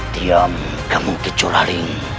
diam kamu ke curaring